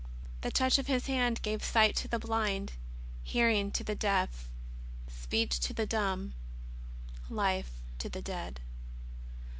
The touch of His hand gave sight to the blind, hearing to the deaf, speech to the dumb, life to the dead.